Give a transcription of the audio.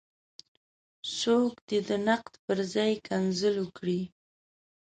څوک دې د نقد پر ځای کنځل وکړي.